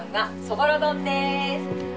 そぼろ丼です